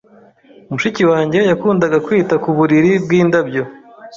Mushiki wanjye yakundaga kwita ku buriri bwindabyo.